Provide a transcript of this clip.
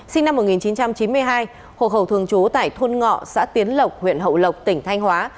sinh năm một nghìn chín trăm chín mươi hai hộ khẩu thường trú tại thôn ngọ xã tiến lộc huyện hậu lộc tỉnh thanh hóa